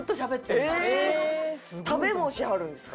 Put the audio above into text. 食べもしはるんですか？